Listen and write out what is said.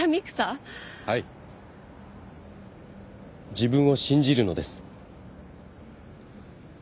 自分を信じるのです。